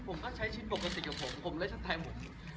ผมก็ใช้ชิ้นปกติกับผมผมและชั้นแทนผม